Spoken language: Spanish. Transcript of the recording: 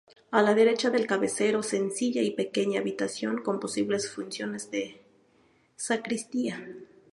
A la derecha del cabecero, sencilla y pequeña habitación con posibles funciones de sacristía.